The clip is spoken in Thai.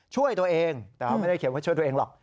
ช่วยตัวเองแต่ว่าไม่ได้เขียนว่าช่วยตัวเองหรอก